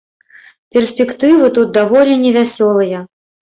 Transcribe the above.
Перспектывы тут даволі невясёлыя.